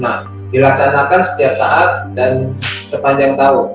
nah dilaksanakan setiap saat dan sepanjang tahun